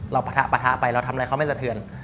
ปะทะปะทะไปเราทำอะไรเขาไม่สะเทือน